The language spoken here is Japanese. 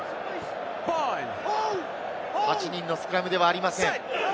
８人のスクラムではありません。